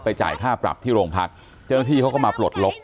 จ่ายค่าปรับที่โรงพักเจ้าหน้าที่เขาก็มาปลดล็อก